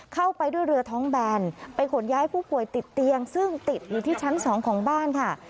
เข้าไปด้วยเรือท้องแบนไปขนย้ายผู้ป่วยติดเตียงซึ่งติดอยู่ที่ชั้น๒ของบ้านค่ะ